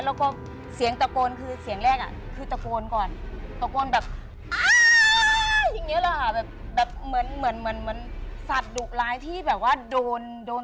แล้วก็เสียงตะโกนคือเสียงแรกคือตะโกนก่อน